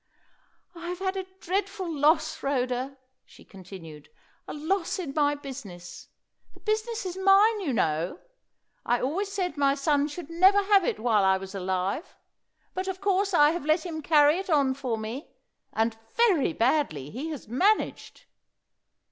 "I have had a dreadful loss, Rhoda," she continued; "a loss in my business. The business is mine, you know. I always said my son should never have it while I was alive. But of course I have let him carry it on for me, and very badly he has managed!